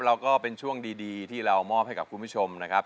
เราก็เป็นช่วงดีที่เรามอบให้กับคุณผู้ชมนะครับ